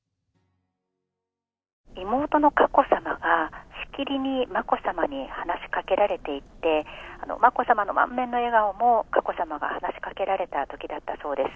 妹の佳子さまが、しきりに眞子さまに話しかけられていて、眞子さまの満面の笑顔も、佳子さまが話しかけられたときだったそうです。